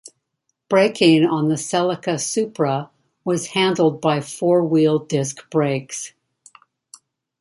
Braking on the Celica Supra was handled by four-wheel disc brakes.